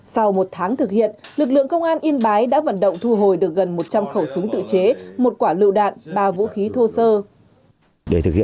sau một tháng thực hiện lực lượng công an yên bái đã vận động thu hồi được gần một trăm linh khẩu súng tự chế